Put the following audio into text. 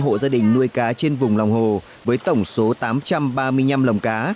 hội gia đình nuôi cá trên vùng lòng hồ với tổng số tám trăm ba mươi năm lòng cá